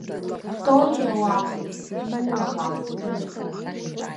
Толиа уакәу, Иура уакәу?